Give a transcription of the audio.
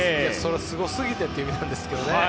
すごすぎてという意味なんですけどね。